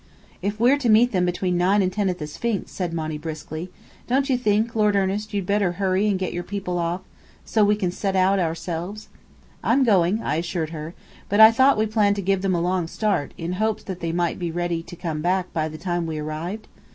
"If we're to meet them between nine and ten at the Sphinx," said Monny briskly, "don't you think, Lord Ernest, you'd better hurry and get your people off, so we can set out ourselves?" "I'm going," I assured her. "But I thought we planned to give them a long start, in hopes that they might be ready to come back by the time we arrived?"